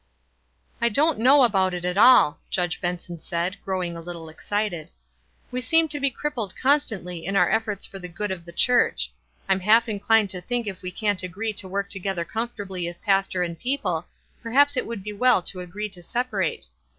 "I don't know about it all," Judge Benson said, growing a little excited. " We seem to bo crippled constantly in our efforts for the good 21 321 322 WISE AND OTHERWISE. of the church. I'm half inclined to think if we can't agree to work together comfortably as pastor and people, perhaps it would be well to agree to separate.